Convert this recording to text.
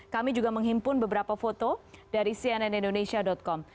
kami juga menghimpun beberapa foto dari cnnindonesia com